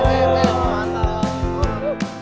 sehat sehat sehat